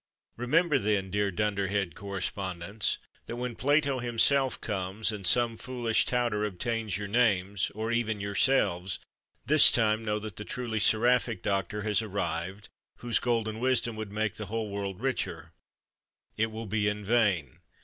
Remember, then, dear Dunderhead correspondents, that, when Plato himself comes, and some foolish touter obtains your names, or even yourselves this time know that the truly seraphic doctor has arrived, whose golden wisdom would make the whole world richer, it will be in vain.